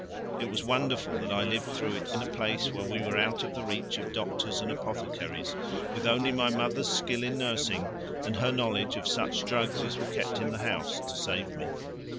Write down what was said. It was wonderful that I lived through it in a place where we were out of reach of doctors and apothecaries, with only my mother's skill in nursing and her knowledge of such drugs as were kept in the house to save me.